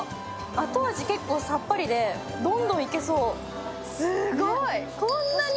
後味結構さっぱりで、どんどんいけそう。